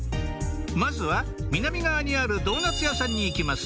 まずは南側にあるドーナツ屋さんに行きます